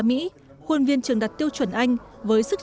mỹ khuôn viên trường đặt tiêu chuẩn anh với sức